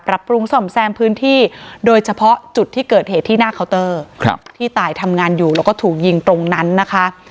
ปรับปรุงส่อมแซมพื้นที่โดยเฉพาะจุดที่เกิดเหตุที่หน้าเคาน์เตอร์ที่ตายทำงานอยู่แล้วก็ถูกยิงตรงนั้นนะคะ